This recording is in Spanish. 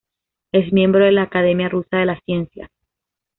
Es miembro de la Academia rusa de las Ciencias.